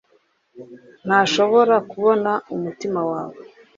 ndashobora kubona umutima wawe